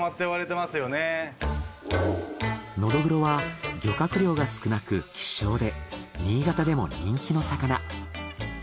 ノドグロは漁獲量が少なく希少で新潟でも人気の魚。